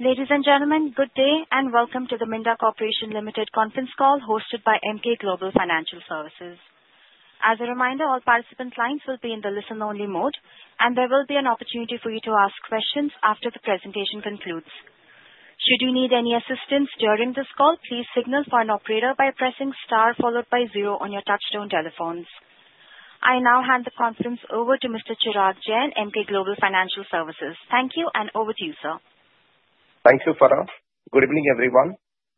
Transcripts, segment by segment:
Ladies and gentlemen, good day and welcome to the Minda Corporation Limited conference call hosted by Emkay Global Financial Services. As a reminder, all participants' lines will be in the listen-only mode, and there will be an opportunity for you to ask questions after the presentation concludes. Should you need any assistance during this call, please signal for an operator by pressing star followed by zero on your touch-tone telephones. I now hand the conference over to Mr. Chirag Jain, Emkay Global Financial Services. Thank you, and over to you, sir. Thank you, Farah. Good evening, everyone.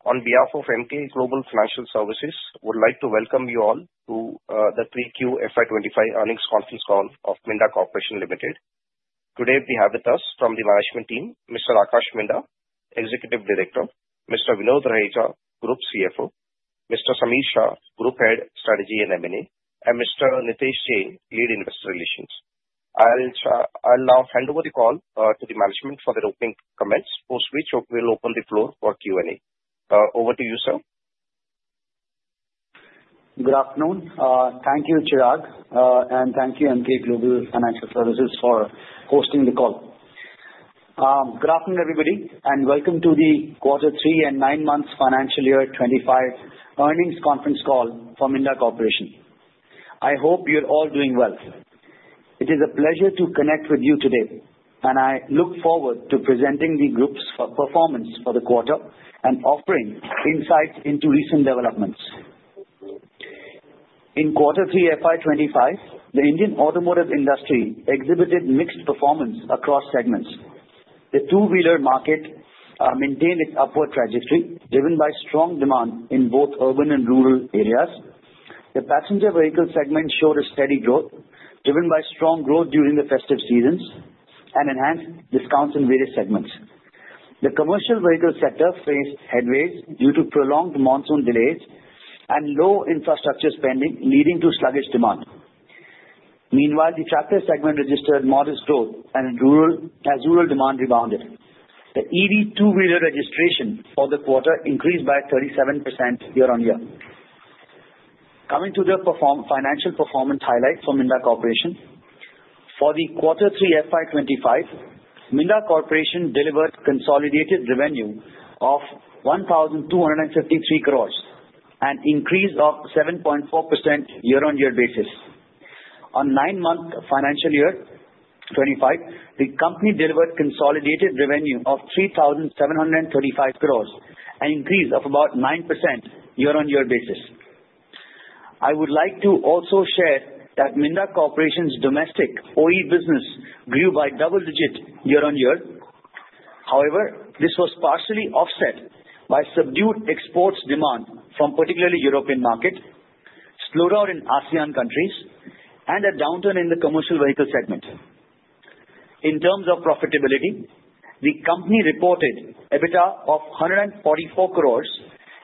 On behalf of Emkay Global Financial Services, I would like to welcome you all to the 3Q FY 2025 earnings conference call of Minda Corporation Limited. Today, we have with us from the management team, Mr. Aakash Minda, Executive Director, Mr. Vinod Raheja, Group CFO, Mr. Sameer Shah, Group Head, Strategy and M&A, and Mr. Nitesh Jain, Lead Investor Relations. I'll now hand over the call to the management for their opening comments, after which we'll open the floor for Q&A. Over to you, sir. Good afternoon. Thank you, Chirag, and thank you, Emkay Global Financial Services, for hosting the call. Good afternoon, everybody, and welcome to the Quarter 3 and 9 Months Financial Year 2025 earnings conference call for Minda Corporation. I hope you're all doing well. It is a pleasure to connect with you today, and I look forward to presenting the group's performance for the quarter and offering insights into recent developments. In Quarter Three FY 2025, the Indian automotive industry exhibited mixed performance across segments. The two-wheeler market maintained its upward trajectory, driven by strong demand in both urban and rural areas. The passenger vehicle segment showed a steady growth, driven by strong growth during the festive seasons and enhanced discounts in various segments. The commercial vehicle sector faced headwinds due to prolonged monsoon delays and low infrastructure spending, leading to sluggish demand. Meanwhile, the tractor segment registered modest growth, and rural demand rebounded. The EV two-wheeler registration for the quarter increased by 37% year-on-year. Coming to the financial performance highlights for Minda Corporation, for the Quarter Three FY 2025, Minda Corporation delivered consolidated revenue of 1,253 crores, an increase of 7.4% year-on-year basis. For the 9 months Financial Year 2025, the company delivered consolidated revenue of 3,735 crores, an increase of about 9% year-on-year basis. I would like to also share that Minda Corporation's domestic OE business grew by double digits year-on-year. However, this was partially offset by subdued exports demand from particularly the European market, slowdown in ASEAN countries, and a downturn in the commercial vehicle segment. In terms of profitability, the company reported EBITDA of 144 crores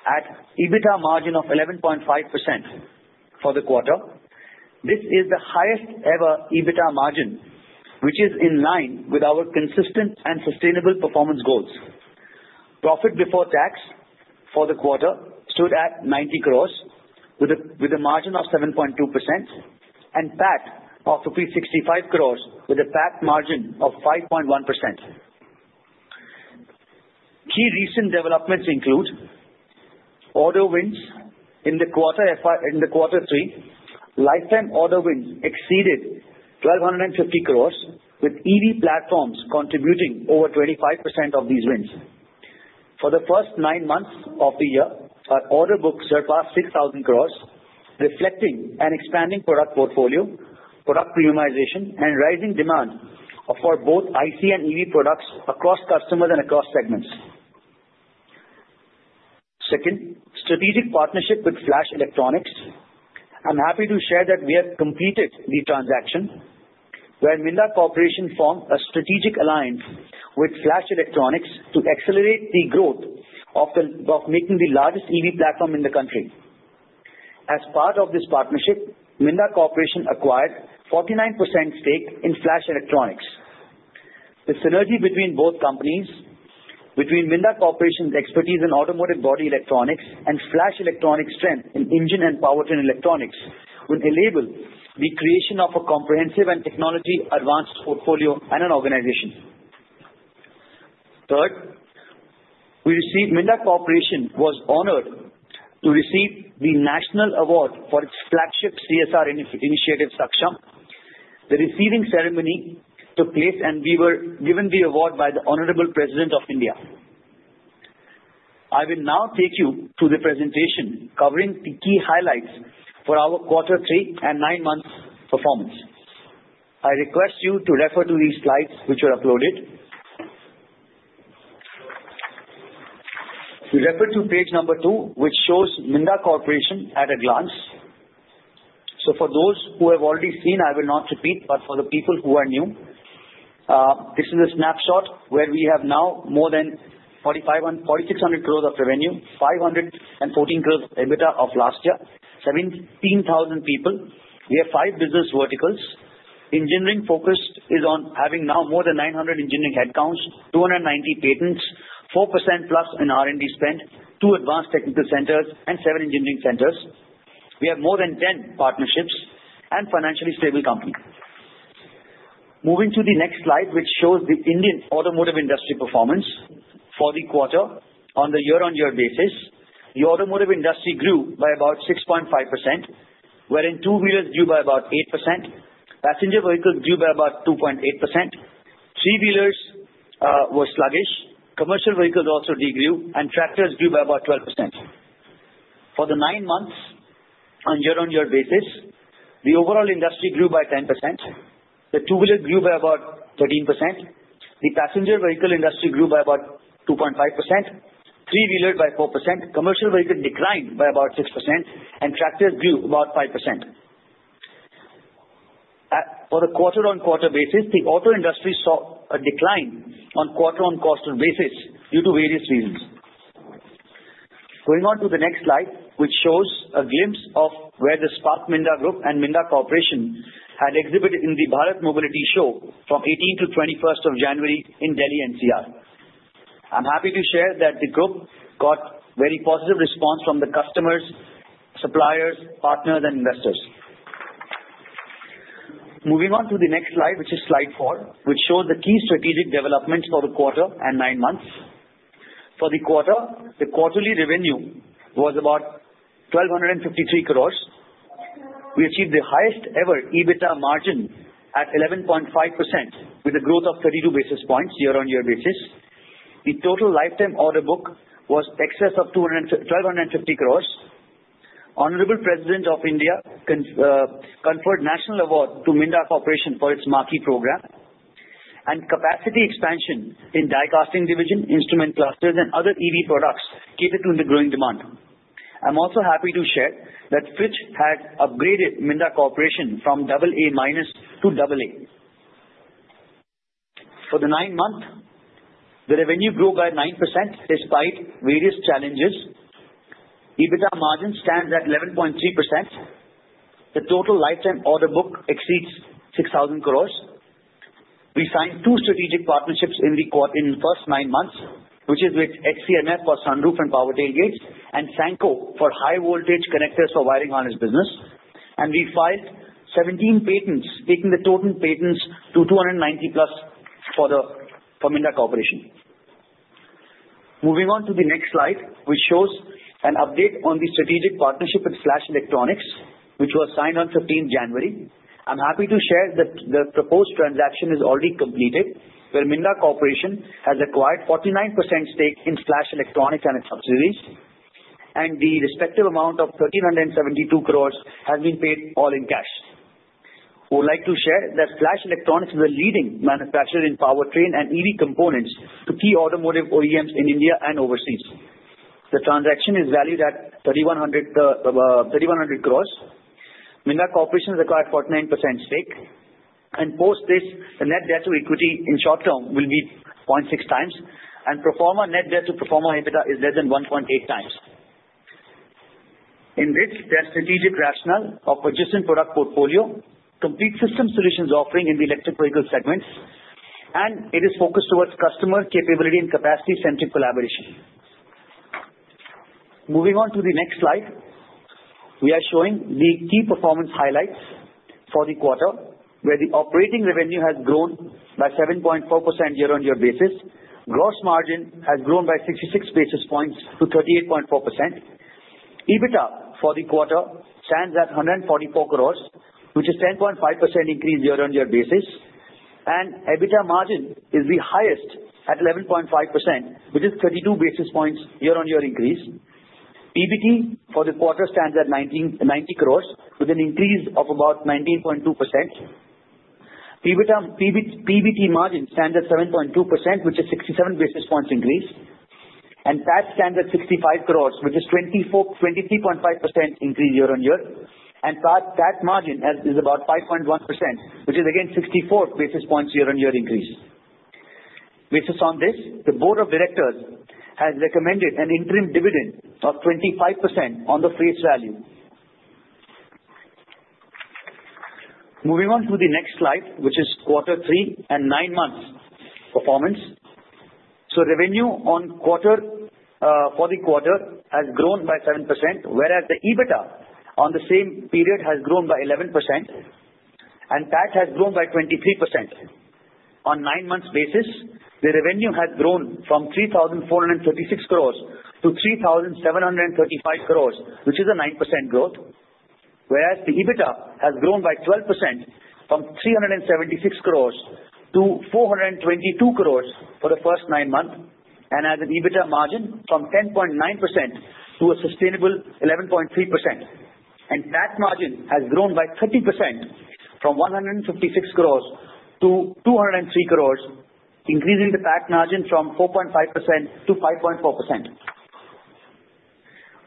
at EBITDA margin of 11.5% for the quarter. This is the highest-ever EBITDA margin, which is in line with our consistent and sustainable performance goals. Profit before tax for the quarter stood at 90 crores, with a margin of 7.2%, and PAT of rupees 65 crores, with a PAT margin of 5.1%. Key recent developments include order wins in the Quarter Three. Lifetime order wins exceeded 1,250 crores, with EV platforms contributing over 25% of these wins. For the first nine months of the year, order books surpassed 6,000 crores, reflecting an expanding product portfolio, premiumization, and rising demand for both IC and EV products across customers and across segments. Second, strategic partnership with Flash Electronics. I'm happy to share that we have completed the transaction where Minda Corporation formed a strategic alliance with Flash Electronics to accelerate the growth of making the largest EV platform in the country. As part of this partnership, Minda Corporation acquired a 49% stake in Flash Electronics. The synergy between both companies, between Minda Corporation's expertise in automotive body electronics and Flash Electronics' strength in engine and powertrain electronics, would enable the creation of a comprehensive and technology-advanced portfolio and an organization. Third, Minda Corporation was honored to receive the National Award for its flagship CSR initiative, Saksham. The receiving ceremony took place, and we were given the award by the Honorable President of India. I will now take you to the presentation covering the key highlights for our Quarter Three and 9 Months performance. I request you to refer to these slides which are uploaded. We refer to page number two, which shows Minda Corporation at a glance. So for those who have already seen, I will not repeat, but for the people who are new, this is a snapshot where we have now more than 4,600 crores of revenue, 514 crores of EBITDA of last year, 17,000 people. We have five business verticals. Engineering focus is on having now more than 900 engineering headcounts, 290 patents, 4%+ in R&D spend, two advanced technical centers, and seven engineering centers. We have more than 10 partnerships and a financially stable company. Moving to the next slide, which shows the Indian automotive industry performance for the quarter on the year-on-year basis. The automotive industry grew by about 6.5%, wherein two-wheelers grew by about 8%, passenger vehicles grew by about 2.8%, three-wheelers were sluggish, commercial vehicles also degrew, and tractors grew by about 12%. For the nine months on year-on-year basis, the overall industry grew by 10%, the two-wheeler grew by about 13%, the passenger vehicle industry grew by about 2.5%, three-wheeler by 4%, commercial vehicle declined by about 6%, and tractors grew about 5%. For the quarter-on-quarter basis, the auto industry saw a decline on quarter-on-quarter basis due to various reasons. Going on to the next slide, which shows a glimpse of where the Spark Minda Group and Minda Corporation had exhibited in the Bharat Mobility Show from 18th to 21st of January in Delhi NCR. I'm happy to share that the group got very positive responses from the customers, suppliers, partners, and investors. Moving on to the next slide, which is slide 4, which shows the key strategic developments for the quarter and nine months. For the quarter, the quarterly revenue was about 1,253 crores. We achieved the highest-ever EBITDA margin at 11.5%, with a growth of 32 basis points year-on-year basis. The total lifetime order book was in excess of 1,250 crores. Honorable President of India conferred the National Award to Minda Corporation for its MAKI program and capacity expansion in Die Casting division, instrument clusters, and other EV products catered to the growing demand. I'm also happy to share that Fitch has upgraded Minda Corporation from AA- to AA. For the nine months, the revenue grew by 9% despite various challenges. EBITDA margin stands at 11.3%. The total lifetime order book exceeds 6,000 crores. We signed two strategic partnerships in the first nine months, which is with HCMF for sunroof and power tailgates and Sanco for high-voltage connectors for wiring harness business. And we filed 17 patents, taking the total patents to 290+ for Minda Corporation. Moving on to the next slide, which shows an update on the strategic partnership with Flash Electronics, which was signed on 15th January. I'm happy to share that the proposed transaction is already completed, where Minda Corporation has acquired a 49% stake in Flash Electronics and its subsidiaries, and the respective amount of 1,372 crores has been paid all in cash. I would like to share that Flash Electronics is a leading manufacturer in powertrain and EV components to key automotive OEMs in India and overseas. The transaction is valued at 3,100 crores. Minda Corporation has acquired a 49% stake, and post this, the net debt to equity in short term will be 0.6 times, and pro forma net debt to pro forma EBITDA is less than 1.8 times. In this, there are strategic rationales of a consistent product portfolio, complete system solutions offering in the electric vehicle segments, and it is focused towards customer capability and capacity-centric collaboration. Moving on to the next slide, we are showing the key performance highlights for the quarter, where the operating revenue has grown by 7.4% year-on-year basis. Gross margin has grown by 66 basis points to 38.4%. EBITDA for the quarter stands at 144 crores, which is a 10.5% increase year-on-year basis. EBITDA margin is the highest at 11.5%, which is a 32 basis points year-on-year increase. PBT for the quarter stands at 90 crores, with an increase of about 19.2%. PBT margin stands at 7.2%, which is a 67 basis points increase. PAT stands at 65 crores, which is a 23.5% increase year-on-year. PAT margin is about 5.1%, which is, again, a 64 basis points year-on-year increase. Based on this, the Board of Directors has recommended an interim dividend of 25% on the face value. Moving on to the next slide, which is Quarter Three and 9 Months performance. So revenue for the quarter has grown by 7%, whereas the EBITDA on the same period has grown by 11%, and PAT has grown by 23%. On a nine-month basis, the revenue has grown from 3,436 crores to 3,735 crores, which is a 9% growth, whereas the EBITDA has grown by 12% from 376 crores to 422 crores for the first nine months, and has an EBITDA margin from 10.9% to a sustainable 11.3%. And PAT margin has grown by 30% from 156 crores to 203 crores, increasing the PAT margin from 4.5% to 5.4%.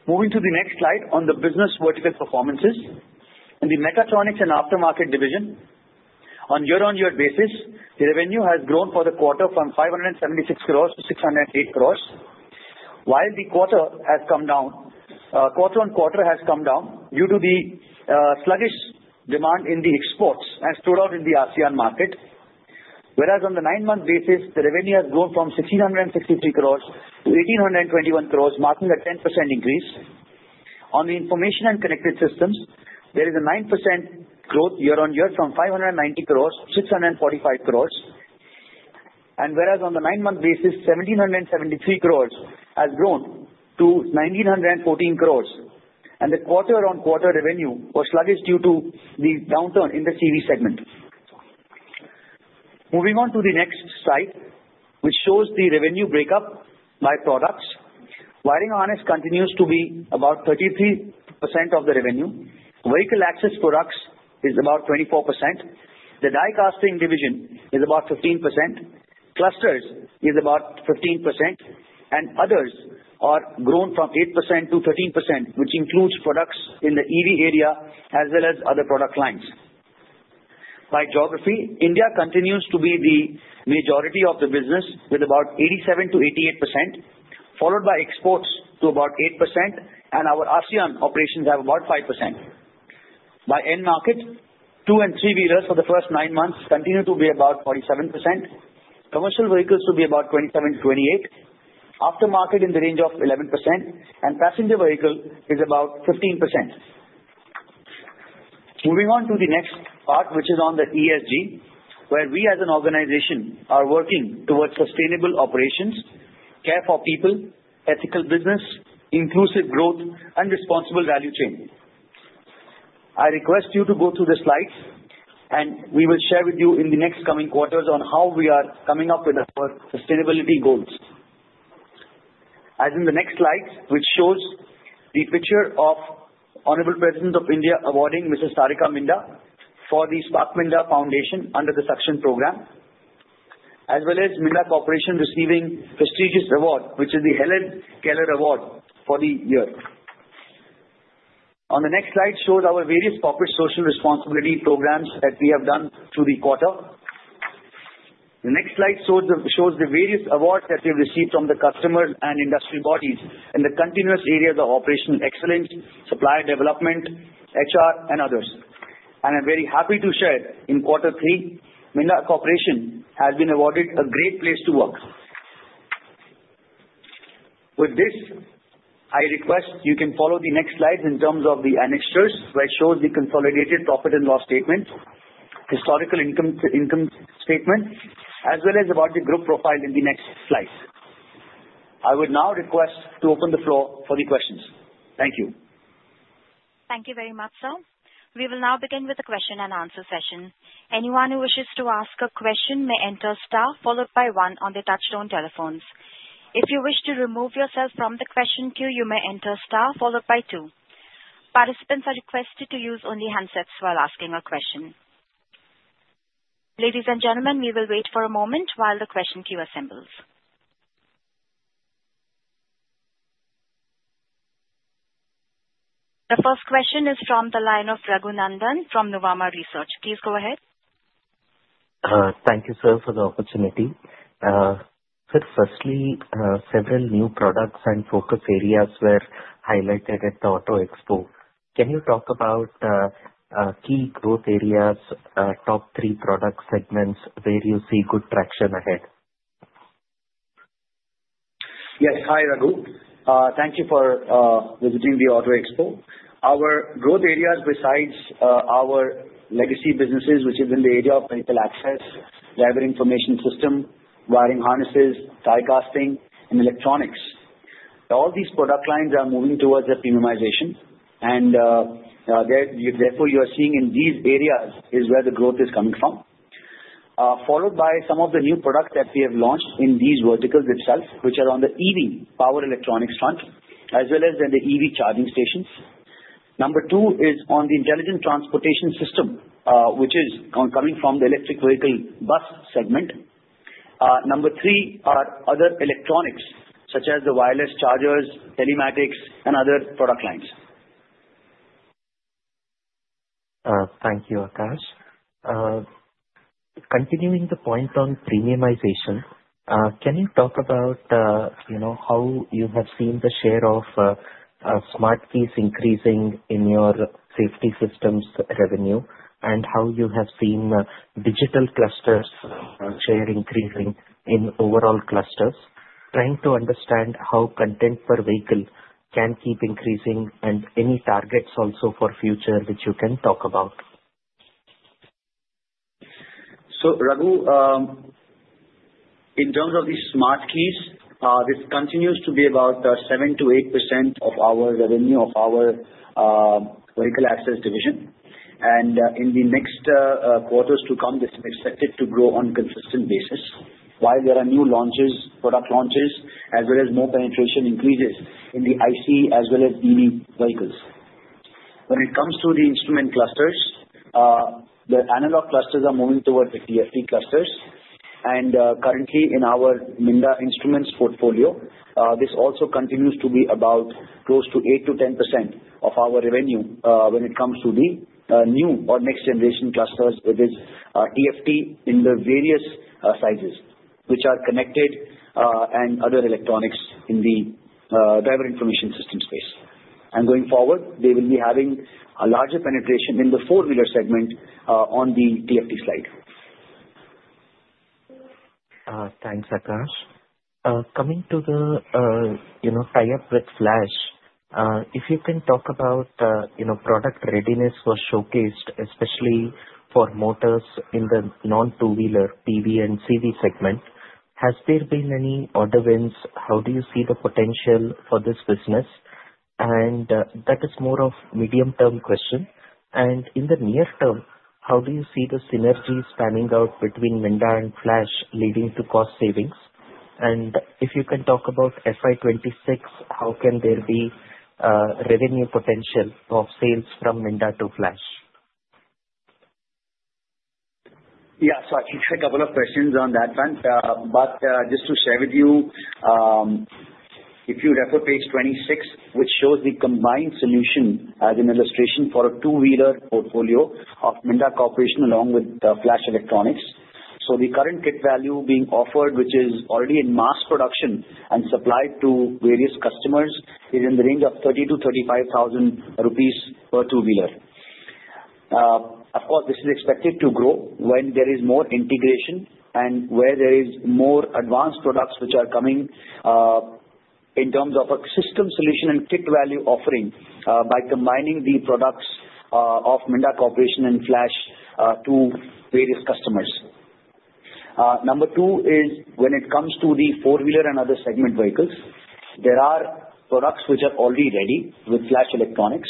Moving to the next slide on the business vertical performances in the Mechatronics and Aftermarket division. On a year-on-year basis, the revenue has grown for the quarter from 576 crores to 608 crores, while the quarter has come down. Quarter-on-quarter has come down due to the sluggish demand in the exports and slowdown in the ASEAN market, whereas on the nine-month basis, the revenue has grown from 1,663 crores to 1,821 crores, marking a 10% increase. On the Information and Connected Systems, there is a 9% growth year-on-year from 590 crores to 645 crores, and whereas on the nine-month basis, 1,773 crores has grown to 1,914 crores. The quarter-on-quarter revenue was sluggish due to the downturn in the CV segment. Moving on to the next slide, which shows the revenue breakup by products. Wiring harness continues to be about 33% of the revenue. Vehicle access products is about 24%. The die-casting division is about 15%. Clusters is about 15%, and others are grown from 8%-13%, which includes products in the EV area as well as other product lines. By geography, India continues to be the majority of the business with about 87%-88%, followed by exports to about 8%, and our ASEAN operations have about 5%. By end market, two and three-wheelers for the first nine months continue to be about 47%. Commercial vehicles should be about 27%-28%. Aftermarket in the range of 11%, and passenger vehicle is about 15%. Moving on to the next part, which is on the ESG, where we as an organization are working towards sustainable operations, care for people, ethical business, inclusive growth, and responsible value chain. I request you to go through the slides, and we will share with you in the next coming quarters on how we are coming up with our sustainability goals. As in the next slide, which shows the picture of the Honorable President of India awarding Mrs. Tarika Minda for the Spark Minda Foundation under the Saksham program, as well as Minda Corporation receiving a prestigious award, which is the Helen Keller Award for the year. On the next slide shows our various corporate social responsibility programs that we have done through the quarter. The next slide shows the various awards that we have received from the customers and industry bodies in the continuous areas of operational excellence, supplier development, HR, and others. I'm very happy to share in Quarter Three, Minda Corporation has been awarded a Great Place to Work. With this, I request you can follow the next slides in terms of the annexures, which shows the consolidated profit and loss statement, historical income statement, as well as about the group profile in the next slides. I would now request to open the floor for the questions. Thank you. Thank you very much, sir. We will now begin with the question and answer session. Anyone who wishes to ask a question may enter star, followed by one on the touch-tone telephones. If you wish to remove yourself from the question queue, you may enter star, followed by two. Participants are requested to use only handsets while asking a question. Ladies and gentlemen, we will wait for a moment while the question queue assembles. The first question is from the line of Raghunandan from Nuvama Research. Please go ahead. Thank you, sir, for the opportunity. Firstly, several new products and focus areas were highlighted at the Auto Expo. Can you talk about key growth areas, top three product segments where you see good traction ahead? Yes. Hi, Raghu. Thank you for visiting the Auto Expo. Our growth areas besides our legacy businesses, which is in the area of vehicle access, driver information system, wiring harnesses, die-casting, and electronics, all these product lines are moving towards a premiumization. And therefore, you are seeing in these areas is where the growth is coming from, followed by some of the new products that we have launched in these verticals itself, which are on the EV power electronics front, as well as the EV charging stations. Number two is on the intelligent transportation system, which is coming from the electric vehicle bus segment. Number three are other electronics, such as the wireless chargers, telematics, and other product lines. Thank you, Aakash. Continuing the point on premiumization, can you talk about how you have seen the share of smart keys increasing in your safety systems revenue and how you have seen digital clusters share increasing in overall clusters? Trying to understand how content per vehicle can keep increasing and any targets also for future, which you can talk about. So, Raghu, in terms of these smart keys, this continues to be about 7%-8% of our revenue of our vehicle access division. And in the next quarters to come, this is expected to grow on a consistent basis, while there are new launches, product launches, as well as more penetration increases in the IC as well as EV vehicles. When it comes to the instrument clusters, the analog clusters are moving towards the TFT clusters. Currently, in our Minda Instruments portfolio, this also continues to be about close to 8%-10% of our revenue when it comes to the new or next-generation clusters, which is TFT in the various sizes, which are connected and other electronics in the driver information system space. And going forward, they will be having a larger penetration in the four-wheeler segment on the TFT side. Thanks, Aakash. Coming to the tie-up with Flash, if you can talk about product readiness for showcase, especially for motors in the non-two-wheeler, PV, and CV segment, has there been any other wins? How do you see the potential for this business? And that is more of a medium-term question. And in the near term, how do you see the synergy panning out between Minda and Flash leading to cost savings? If you can talk about FY 2026, how can there be revenue potential of sales from Minda to Flash? Yeah, so I can take a couple of questions on that front. But just to share with you, if you refer page 26, which shows the combined solution as an illustration for a two-wheeler portfolio of Minda Corporation along with Flash Electronics. So the current kit value being offered, which is already in mass production and supplied to various customers, is in the range of 30,000-35,000 rupees per two-wheeler. Of course, this is expected to grow when there is more integration and where there are more advanced products which are coming in terms of a system solution and kit value offering by combining the products of Minda Corporation and Flash to various customers. Number two is when it comes to the four-wheeler and other segment vehicles, there are products which are already ready with Flash Electronics.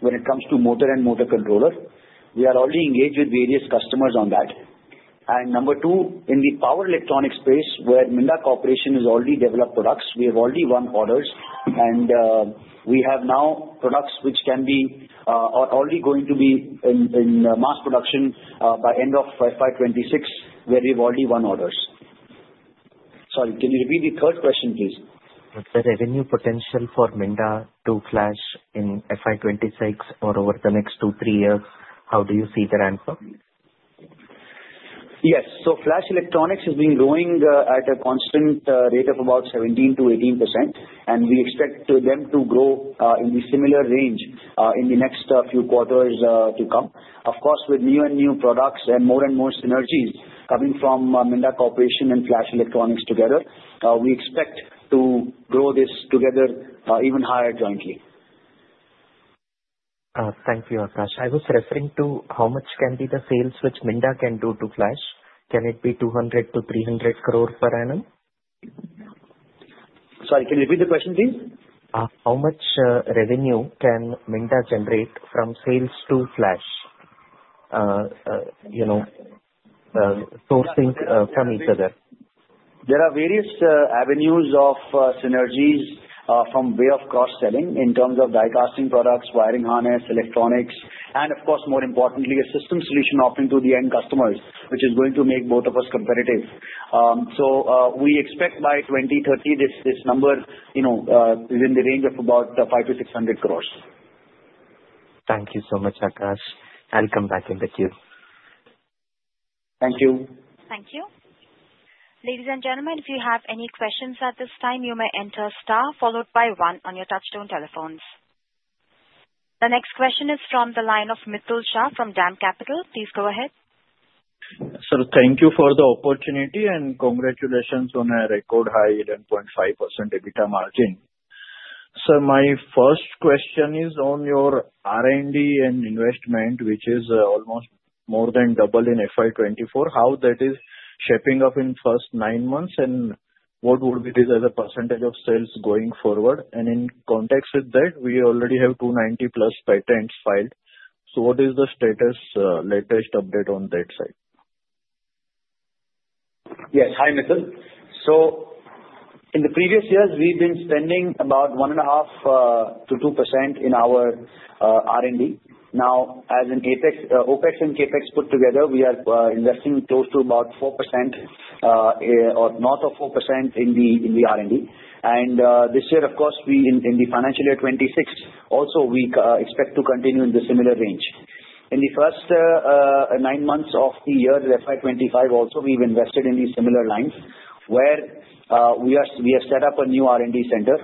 When it comes to motor and motor controller, we are already engaged with various customers on that. And number two, in the power electronics space, where Minda Corporation has already developed products, we have already won orders. And we have now products which can be or are already going to be in mass production by end of FY 2026, where we have already won orders. Sorry, can you repeat the third question, please? The revenue potential for Minda to Flash in FY 2026 or over the next two, three years, how do you see the ramp-up? Yes. So Flash Electronics has been growing at a constant rate of about 17%-18%, and we expect them to grow in the similar range in the next few quarters to come. Of course, with new and new products and more and more synergies coming from Minda Corporation and Flash Electronics together, we expect to grow this together even higher jointly. Thank you, Aakash. I was referring to how much can be the sales which Minda can do to Flash? Can it be 200-300 crores per annum? Sorry, can you repeat the question, please? How much revenue can Minda generate from sales to Flash, sourcing from each other? There are various avenues of synergies by way of cross-selling in terms of die-casting products, wiring harness, electronics, and of course, more importantly, a system solution offering to the end customers, which is going to make both of us competitive. So we expect by 2030, this number is in the range of about 500-600 crores. Thank you so much, Aakash. I'll come back in the queue. Thank you. Thank you. Ladies and gentlemen, if you have any questions at this time, you may enter star, followed by one on your touch-tone telephones. The next question is from the line of Mitul Shah from DAM Capital. Please go ahead. Sir, thank you for the opportunity and congratulations on a record high 11.5% EBITDA margin. Sir, my first question is on your R&D and investment, which is almost more than double in FY 2024. How that is shaping up in the first nine months and what would be the percentage of sales going forward? And in context with that, we already have 290+ patents filed. So what is the latest update on that side? Yes. Hi, Mithul. So in the previous years, we've been spending about 1.5%-2% in our R&D. Now, as an OpEx and CapEx put together, we are investing close to about 4% or north of 4% in the R&D. This year, of course, in the financial year 2026, also we expect to continue in the similar range. In the first nine months of the year FY 2025, also we've invested in these similar lines where we have set up a new R&D center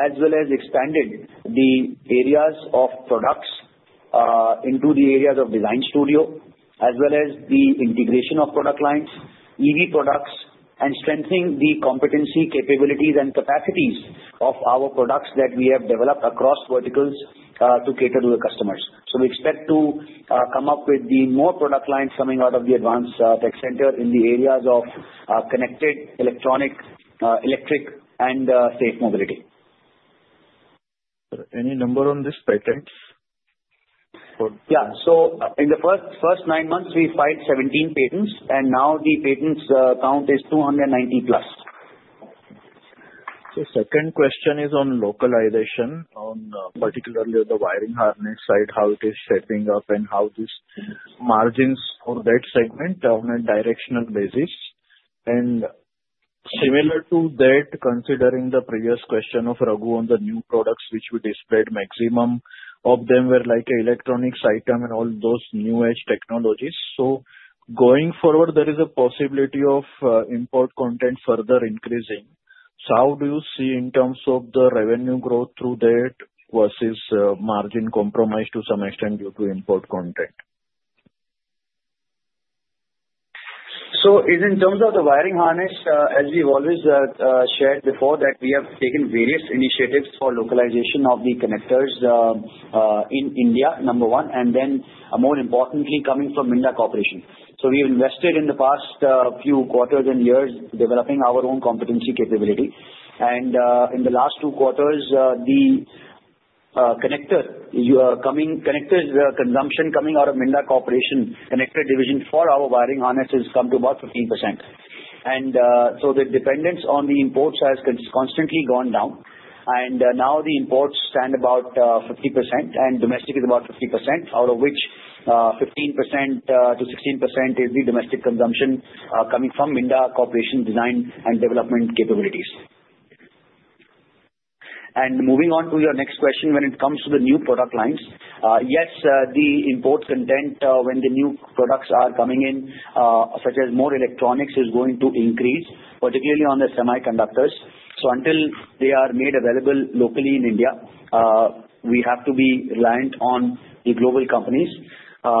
as well as expanded the areas of products into the areas of design studio, as well as the integration of product lines, EV products, and strengthening the competency, capabilities, and capacities of our products that we have developed across verticals to cater to the customers. So we expect to come up with more product lines coming out of the advanced tech center in the areas of connected electronic, electric, and safe mobility. Any number on these patents? Yeah. So, in the first nine months, we filed 17 patents, and now the patent count is 290+. The second question is on localization, particularly on the wiring harness side, how it is shaping up and how these margins for that segment on a directional basis. And similar to that, considering the previous question of Raghu on the new products, which we displayed, maximum of them were like electronics items and all those new-edge technologies. So going forward, there is a possibility of import content further increasing. So how do you see in terms of the revenue growth through that versus margin compromise to some extent due to import content? So in terms of the wiring harness, as we've always shared before, that we have taken various initiatives for localization of the connectors in India, number one, and then more importantly, coming from Minda Corporation. So we have invested in the past few quarters and years developing our own competency, capability. And in the last two quarters, the connectors' consumption coming out of Minda Corporation connector division for our wiring harness has come to about 15%. And so the dependence on the imports has constantly gone down. And now the imports stand about 50%, and domestic is about 50%, out of which 15%-16% is the domestic consumption coming from Minda Corporation design and development capabilities. And moving on to your next question, when it comes to the new product lines, yes, the import content when the new products are coming in, such as more electronics, is going to increase, particularly on the semiconductors. So until they are made available locally in India, we have to be reliant on the global companies. There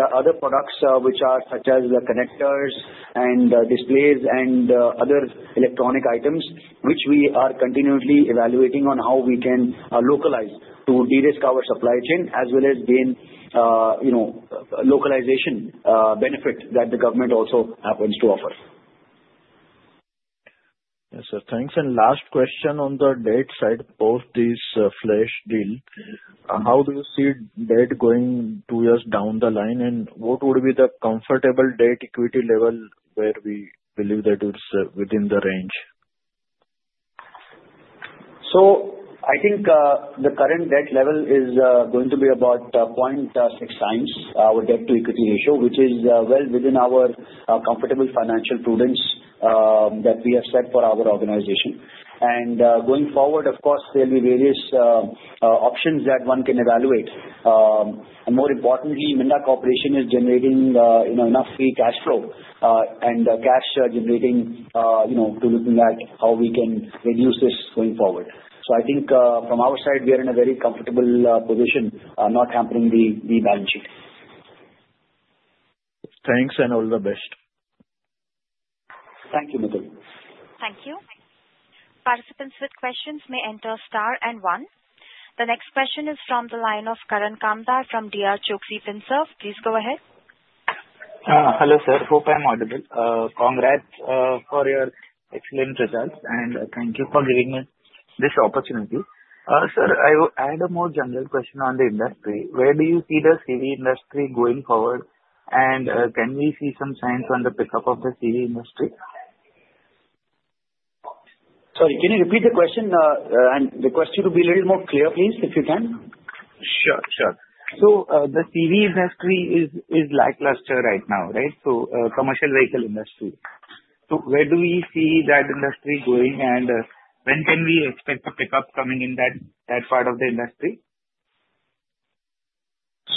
are other products which are such as the connectors and displays and other electronic items, which we are continuously evaluating on how we can localize to de-risk our supply chain as well as gain localization benefit that the government also happens to offer. Yes, sir. Thanks. Last question on the debt side, both these Flash deals, how do you see that going two years down the line? And what would be the comfortable debt-equity level where we believe that it's within the range? I think the current debt level is going to be about 0.6 times our debt-to-equity ratio, which is well within our comfortable financial prudence that we have set for our organization. Going forward, of course, there will be various options that one can evaluate. And more importantly, Minda Corporation is generating enough free cash flow and cash generating to look at how we can reduce this going forward. So I think from our side, we are in a very comfortable position, not hampering the balance sheet. Thanks, and all the best. Thank you, Mitul. Thank you. Participants with questions may enter star and one. The next question is from the line of Karan Kamdar from DRChoksey Finserv. Please go ahead. Hello, sir. Hope I'm audible. Congrats for your excellent results, and thank you for giving me this opportunity. Sir, I had a more general question on the industry. Where do you see the CV industry going forward? And can we see some signs on the pickup of the CV industry? Sorry, can you repeat the question? I request you to be a little more clear, please, if you can. Sure, sure. So the CV industry is lackluster right now, right? So commercial vehicle industry. So where do we see that industry going, and when can we expect the pickup coming in that part of the industry?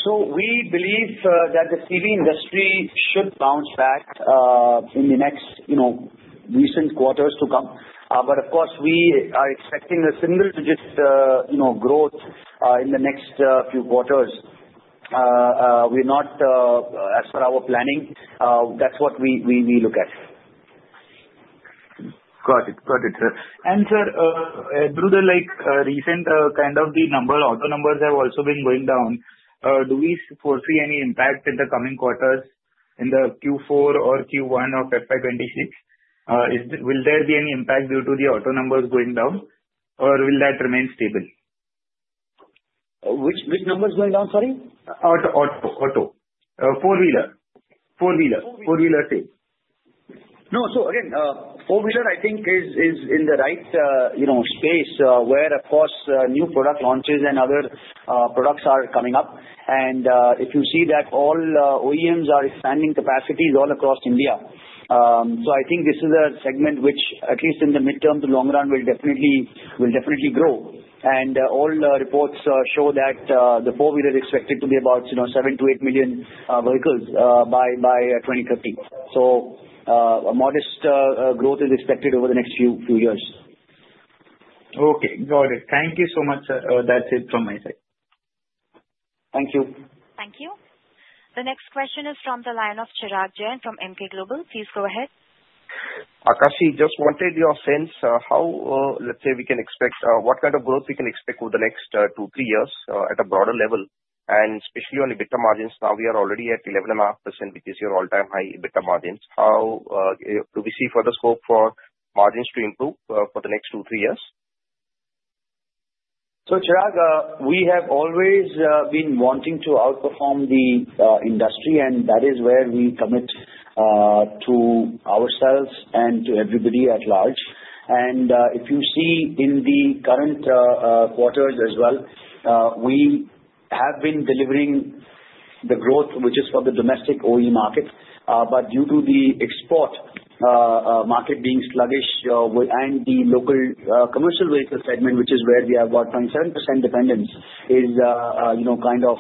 So we believe that the CV industry should bounce back in the next recent quarters to come. But of course, we are expecting a single-digit growth in the next few quarters. We're not, as per our planning, that's what we look at. Got it. Got it, sir. And sir, through the recent kind of the auto numbers have also been going down. Do we foresee any impact in the coming quarters in the Q4 or Q1 of FY 2026? Will there be any impact due to the auto numbers going down, or will that remain stable? Which numbers going down, sorry? Auto. Auto. Four-wheeler. Four-wheeler. Four-wheeler sales. No, so again, four-wheeler, I think, is in the right space where, of course, new product launches and other products are coming up. And if you see that all OEMs are expanding capacities all across India. So I think this is a segment which, at least in the midterm to long run, will definitely grow. And all reports show that the four-wheeler is expected to be about seven to eight million vehicles by 2030. So modest growth is expected over the next few years. Okay. Got it. Thank you so much, sir. That's it from my side. Thank you. Thank you. The next question is from the line of Chirag Jain from Emkay Global. Please go ahead. Aakash, just wanted your sense, let's say we can expect what kind of growth we can expect over the next two, three years at a broader level. Especially on EBITDA margins, now we are already at 11.5%, which is your all-time high EBITDA margins. How do we see further scope for margins to improve for the next two, three years? Chirag, we have always been wanting to outperform the industry, and that is where we commit to ourselves and to everybody at large. If you see in the current quarters as well, we have been delivering the growth, which is for the domestic OE market. Due to the export market being sluggish and the local commercial vehicle segment, which is where we have about 27% dependence, is kind of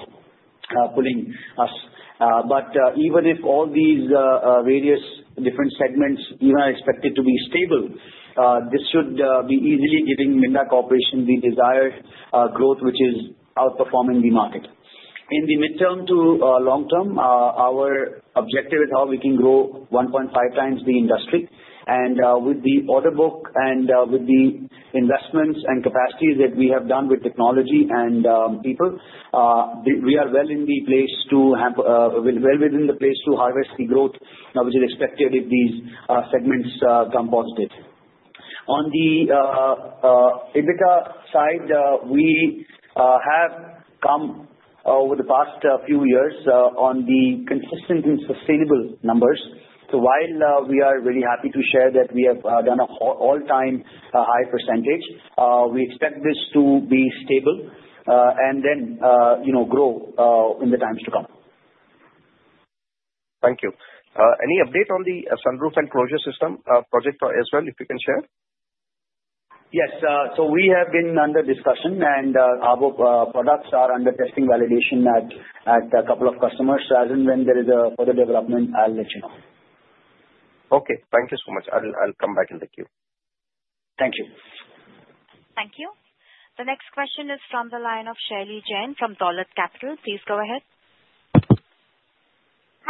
pulling us. Even if all these various different segments are expected to be stable, this should be easily giving Minda Corporation the desired growth, which is outperforming the market. In the mid- to long-term, our objective is how we can grow 1.5 times the industry, and with the order book and with the investments and capacities that we have done with technology and people, we are well in place to harvest the growth which is expected if these segments come positive. On the EBITDA side, we have come over the past few years on the consistent and sustainable numbers. So while we are really happy to share that we have done an all-time high percentage, we expect this to be stable and then grow in the times to come. Thank you. Any update on the sunroof and closure system project as well, if you can share? Yes. So we have been under discussion, and our products are under testing validation at a couple of customers. So as and when there is further development, I'll let you know. Okay. Thank you so much. I'll come back in the queue. Thank you. Thank you. The next question is from the line of Srishti Jain from Dolat Capital. Please go ahead.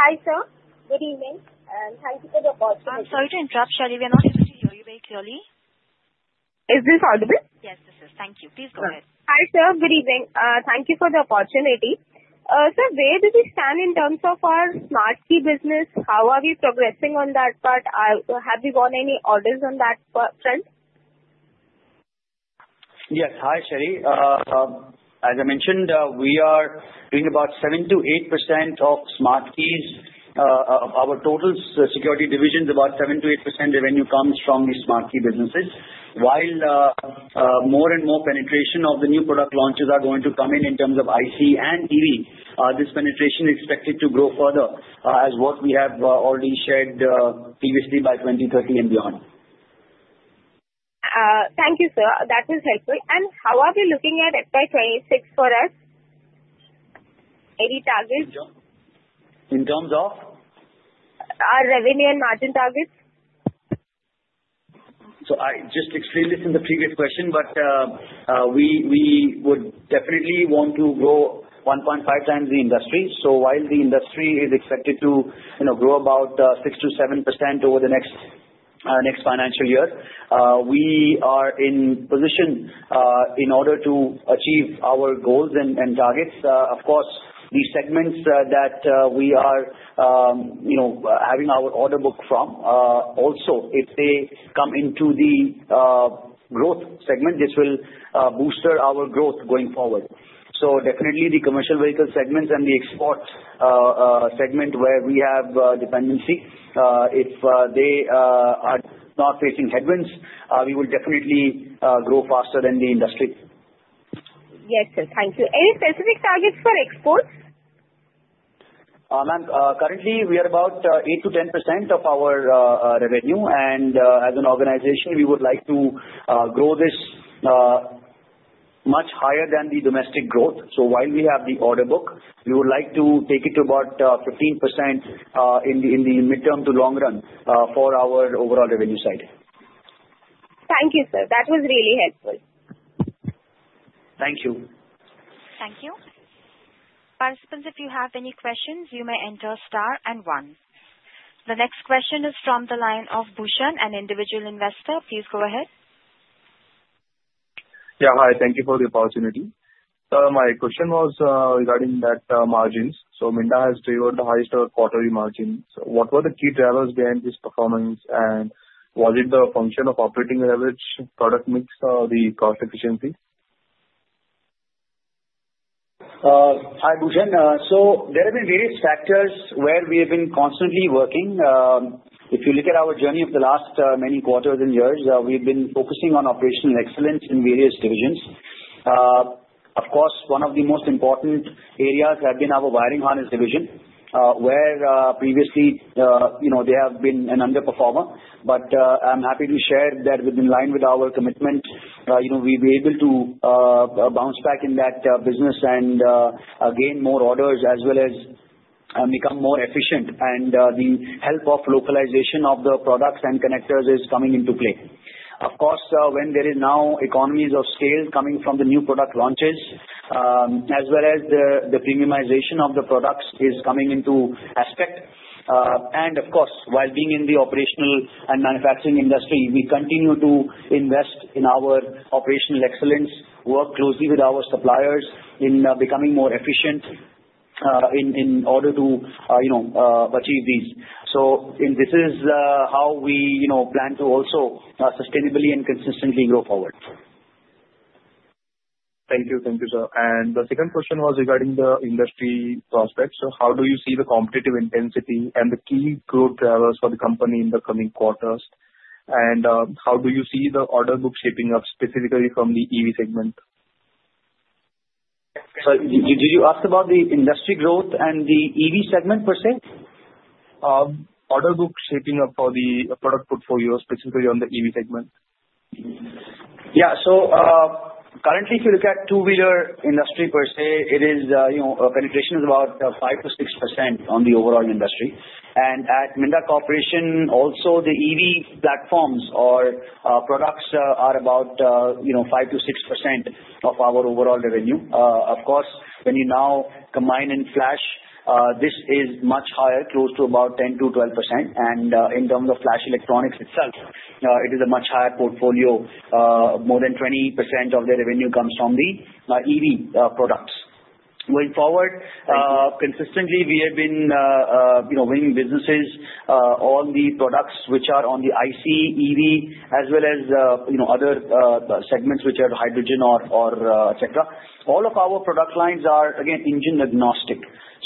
Hi, sir. Good evening. And thank you for the opportunity. I'm sorry to interrupt, Srishti. We are not able to hear you very clearly. Is this audible? Yes, this is. Thank you. Please go ahead. Hi, sir. Good evening. Thank you for the opportunity. Sir, where do we stand in terms of our smart key business? How are we progressing on that part? Have we got any orders on that front? Yes. Hi, Srishti. As I mentioned, we are doing about 7%-8% of smart keys. Our total security division is about 7%-8% revenue comes from the smart key businesses. While more and more penetration of the new product launches are going to come in in terms of IC and EV, this penetration is expected to grow further, as what we have already shared previously by 2030 and beyond. Thank you, sir. That was helpful. And how are we looking at FY 2026 for us? Any targets? In terms of? Our revenue and margin targets. So I just explained this in the previous question, but we would definitely want to grow 1.5 times the industry. So while the industry is expected to grow about 6%-7% over the next financial year, we are in position in order to achieve our goals and targets. Of course, the segments that we are having our order book from, also, if they come into the growth segment, this will boost our growth going forward. So definitely, the commercial vehicle segments and the export segment where we have dependency, if they are not facing headwinds, we will definitely grow faster than the industry. Yes, sir. Thank you. Any specific targets for exports? Currently, we are about 8-10% of our revenue. And as an organization, we would like to grow this much higher than the domestic growth. So while we have the order book, we would like to take it to about 15% in the midterm to long run for our overall revenue side. Thank you, sir. That was really helpful. Thank you. Thank you. Participants, if you have any questions, you may enter star and one. The next question is from the line of Bhushan, an individual investor. Please go ahead. Yeah. Hi. Thank you for the opportunity. My question was regarding that margins. So Minda has delivered the highest quarterly margins. What were the key drivers behind this performance? And was it the function of operating leverage, product mix, or the cost efficiency? Hi, Bhushan. So there have been various factors where we have been constantly working. If you look at our journey of the last many quarters and years, we've been focusing on operational excellence in various divisions. Of course, one of the most important areas has been our wiring harness division, where previously they have been an underperformer. But I'm happy to share that in line with our commitment, we've been able to bounce back in that business and gain more orders as well as become more efficient. And the help of localization of the products and connectors is coming into play. Of course, when there is now economies of scale coming from the new product launches, as well as the premiumization of the products is coming into aspect. Of course, while being in the operational and manufacturing industry, we continue to invest in our operational excellence, work closely with our suppliers in becoming more efficient in order to achieve these. So this is how we plan to also sustainably and consistently grow forward. Thank you. Thank you, sir. And the second question was regarding the industry prospects. So how do you see the competitive intensity and the key growth drivers for the company in the coming quarters? And how do you see the order book shaping up specifically from the EV segment? Sorry. Did you ask about the industry growth and the EV segment per se? Order book shaping up for the product portfolio, specifically on the EV segment? Yeah. So currently, if you look at two-wheeler industry per se, penetration is about 5%-6% on the overall industry. At Minda Corporation, also the EV platforms or products are about 5-6% of our overall revenue. Of course, when you now combine in Flash, this is much higher, close to about 10-12%. In terms of Flash Electronics itself, it is a much higher portfolio. More than 20% of their revenue comes from the EV products. Going forward, consistently, we have been winning businesses on the products which are on the IC, EV, as well as other segments which are hydrogen or etc. All of our product lines are, again, engine agnostic.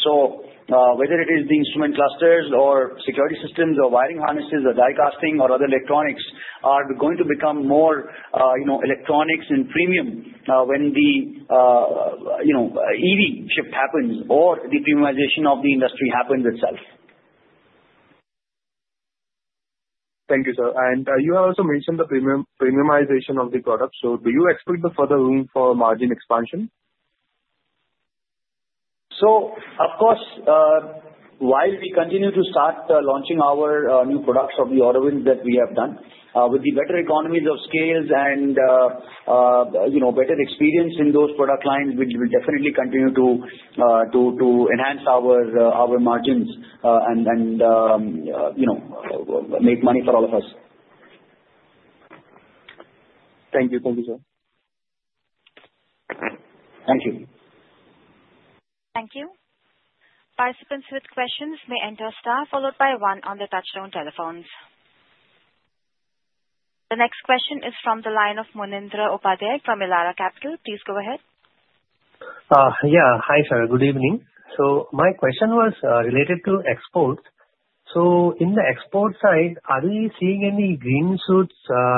So whether it is the instrument clusters or security systems or wiring harnesses or die casting or other electronics are going to become more electronics and premium when the EV shift happens or the premiumization of the industry happens itself. Thank you, sir. You have also mentioned the premiumization of the products. Do you expect the further room for margin expansion? Of course, while we continue to start launching our new products of the order wins that we have done, with the better economies of scale and better experience in those product lines, we will definitely continue to enhance our margins and make money for all of us. Thank you. Thank you, sir. Thank you. Thank you. Participants with questions may enter STAR followed by 1 on the touchtone telephones. The next question is from the line of Manindra Singh from Elara Capital. Please go ahead. Yeah. Hi, sir. Good evening. My question was related to exports. In the export side, are we seeing any green shoots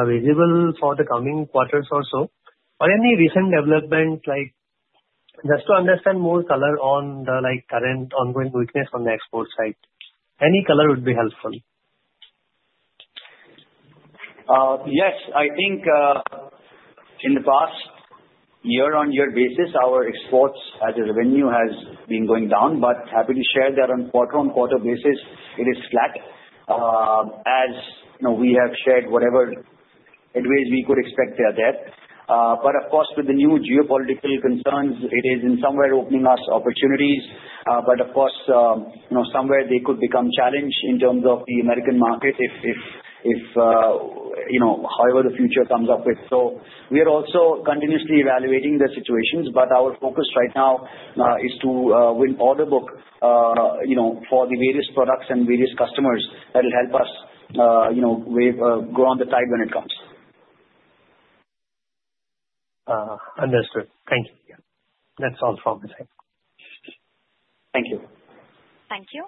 visible for the coming quarters or so? Or any recent development, just to understand more color on the current ongoing weakness on the export side? Any color would be helpful. Yes. I think in the past year-on-year basis, our exports as a revenue has been going down. But happy to share that on quarter-on-quarter basis, it is flat as we have shared whatever headwinds we could expect there. But of course, with the new geopolitical concerns, it is in some way opening us opportunities. But of course, somewhere they could become challenged in terms of the American market if however the future comes up with. So we are also continuously evaluating the situations. But our focus right now is to win order book for the various products and various customers that will help us grow on the tide when it comes. Understood. Thank you. That's all from my side. Thank you. Thank you.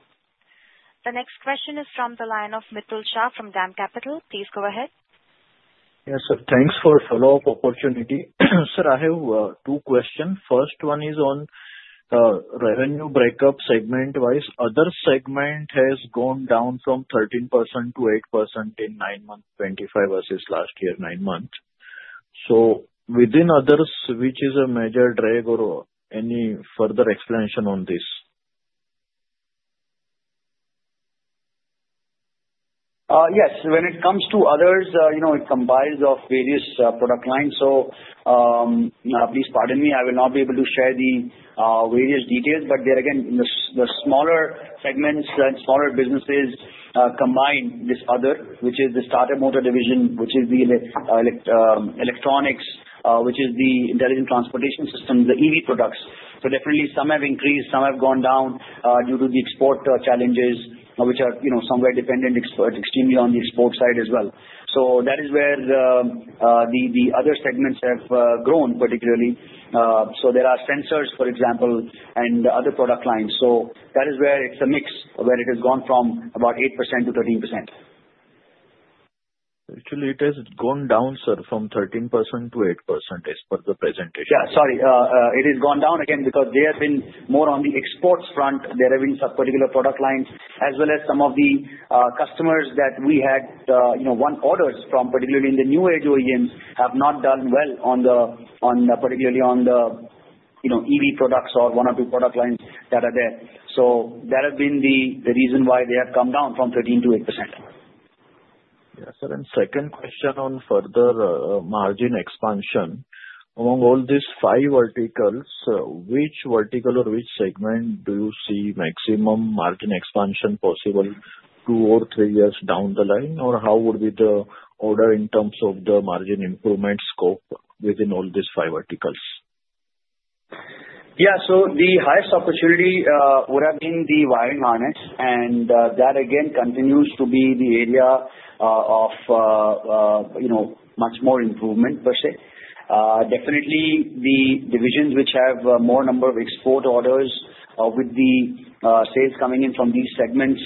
The next question is from the line of Mitul Shah from DAM Capital. Please go ahead. Yes, sir. Thanks for the follow-up opportunity. Sir, I have two questions. First one is on revenue breakup segment-wise. Other segment has gone down from 13% to 8% in nine months, 2025 versus last year, nine months. So within others, which is a major drag or any further explanation on this? Yes. When it comes to others, it combines of various product lines. So please pardon me, I will not be able to share the various details. But there again, the smaller segments and smaller businesses combine this other, which is the starter motor division, which is the electronics, which is the intelligent transportation system, the EV products. So definitely, some have increased, some have gone down due to the export challenges, which are somewhere dependent extremely on the export side as well. So that is where the other segments have grown particularly. So there are sensors, for example, and other product lines. So that is where it's a mix where it has gone from about 8% to 13%. Actually, it has gone down, sir, from 13% to 8% as per the presentation. Yeah. Sorry. It has gone down again because they have been more on the exports front. There have been some particular product lines, as well as some of the customers that we had won orders from, particularly in the new age OEMs, have not done well particularly on the EV products or one or two product lines that are there. So that has been the reason why they have come down from 13% to 8%. Yes. And second question on further margin expansion. Among all these five verticals, which vertical or which segment do you see maximum margin expansion possible two or three years down the line or how would be the order in terms of the margin improvement scope within all these five verticals? Yeah, so the highest opportunity would have been the wiring harness, and that again continues to be the area of much more improvement per se. Definitely, the divisions which have more number of export orders with the sales coming in from these segments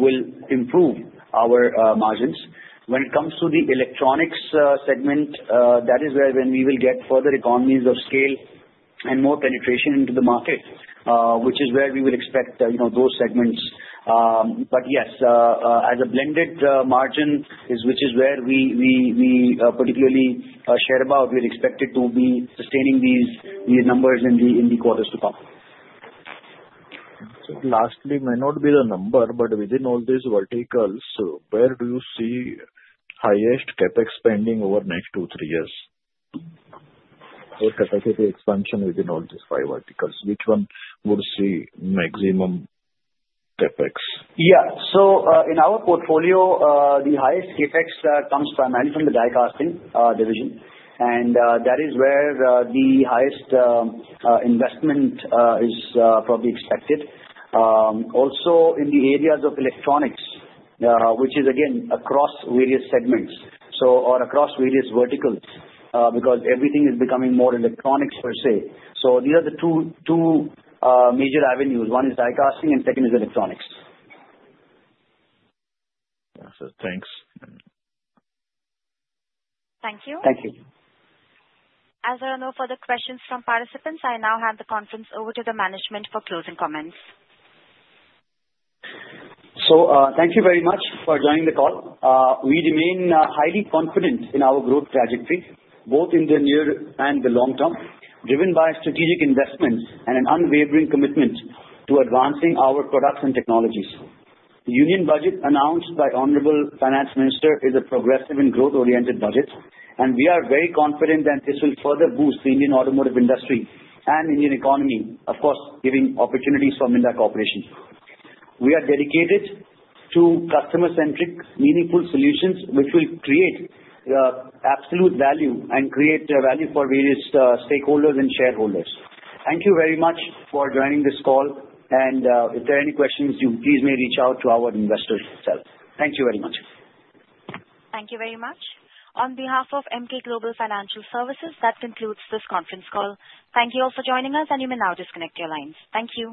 will improve our margins. When it comes to the electronics segment, that is where we will get further economies of scale and more penetration into the market, which is where we will expect those segments, but yes, as a blended margin, which is where we particularly share about, we're expected to be sustaining these numbers in the quarters to come. Lastly, it may not be the number, but within all these verticals, where do you see highest CapEx spending over next two to three years? Or capacity expansion within all these five verticals? Which one would see maximum CapEx? Yeah. So in our portfolio, the highest CapEx comes primarily from the die casting division. And that is where the highest investment is probably expected. Also in the areas of electronics, which is again across various segments or across various verticals because everything is becoming more electronics per se. So these are the two major avenues. One is die casting, and second is electronics. Yes, sir. Thanks. Thank you. Thank you. As there are no further questions from participants, I now hand the conference over to the management for closing comments. So thank you very much for joining the call. We remain highly confident in our growth trajectory, both in the near and the long term, driven by strategic investments and an unwavering commitment to advancing our products and technologies. The union budget announced by Honorable Finance Minister is a progressive and growth-oriented budget, and we are very confident that this will further boost the Indian automotive industry and Indian economy, of course, giving opportunities for Minda Corporation. We are dedicated to customer-centric, meaningful solutions which will create absolute value and create value for various stakeholders and shareholders. Thank you very much for joining this call, and if there are any questions, please may reach out to our investors itself. Thank you very much. Thank you very much. On behalf of Emkay Global Financial Services, that concludes this conference call. Thank you all for joining us, and you may now disconnect your lines. Thank you.